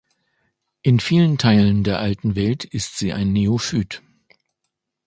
In vielen Teilen der Alten Welt ist sie ein Neophyt.